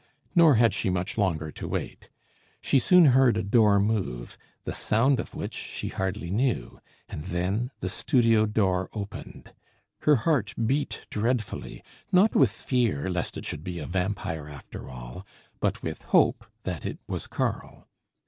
Nor had she much longer to wait. She soon heard a door move, the sound of which she hardly knew, and then the studio door opened. Her heart beat dreadfully, not with fear lest it should be a vampire after all, but with hope that it was Karl.